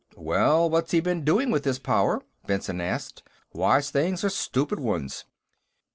"Well, what's he been doing with his power?" Benson asked. "Wise things, or stupid ones?"